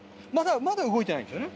まだ動いてないんですよね？